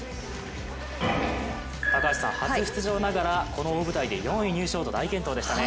高橋さん、初出場ながらこの大舞台で４位入賞と大健闘でしたね。